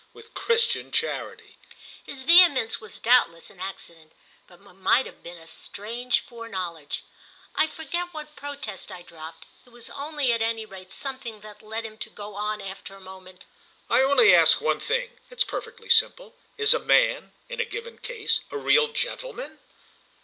—with Christian charity." His vehemence was doubtless an accident, but it might have been a strange foreknowledge. I forget what protest I dropped; it was at any rate something that led him to go on after a moment: "I only ask one thing—it's perfectly simple. Is a man, in a given case, a real gentleman?"